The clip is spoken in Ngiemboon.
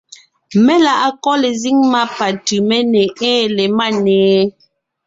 Meláʼakɔ́ lezíŋ má pa Tʉʼméne ée le Máne?